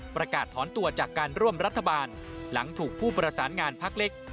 ประกาศถอนตัวจากการร่วมรัฐบาลหลังถูกผู้ประสานงานพักเล็ก